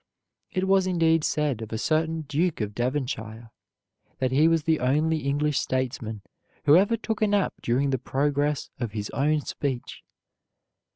It was indeed said of a certain Duke of Devonshire that he was the only English statesman who ever took a nap during the progress of his own speech.